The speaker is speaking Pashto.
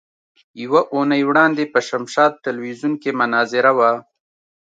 يوه اونۍ وړاندې په شمشاد ټلوېزيون کې مناظره وه.